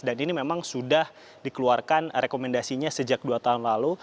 dan ini memang sudah dikeluarkan rekomendasinya sejak dua tahun lalu